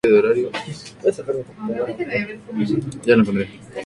Actualmente existe un monumento en su honor en la ciudad de Angol.